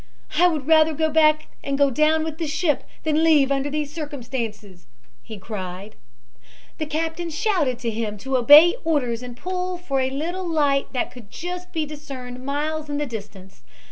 "'I would rather go back and go down with the ship than leave under these circumstances.' he cried. "The captain shouted to him to obey orders and to pull for a little light that could just be discerned miles in the distance.